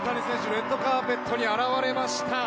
レッドカーペットに現れました。